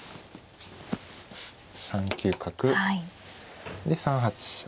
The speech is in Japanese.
３九角で３八飛車。